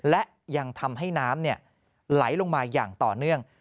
และยังทำให้น้ำไหลลงมาอย่างต่อเนื่อง